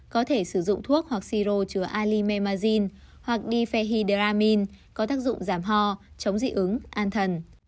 có thể sử dụng thuốc hoặc siro chứa alimemazine hoặc difehidramine có tác dụng giảm ho chống dị ứng an thần